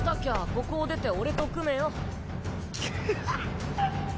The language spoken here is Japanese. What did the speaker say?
ここを出て俺と組めよかははっ！